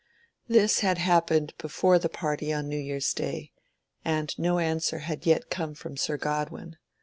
This had happened before the party on New Year's Day, and no answer had yet come from Sir Godwin.